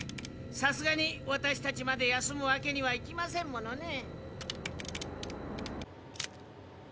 さすがに私たちまで休むわけにはいきませんものね。